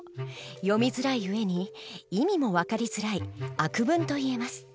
読みづらい上に意味も分かりづらい悪文といえます。